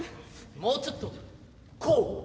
もうちょっとこう。